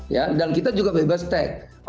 ya dan kita juga bebas teks